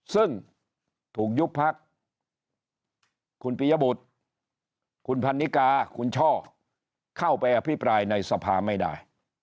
ซึ่งถูกยุบพักคุณปียบุตรคุณพันนิกาคุณช่อเข้าไปอภิปรายในสภาไม่ได้